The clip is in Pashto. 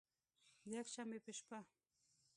د یکشنبې په شپه